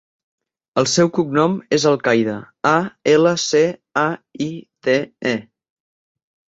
El seu cognom és Alcaide: a, ela, ce, a, i, de, e.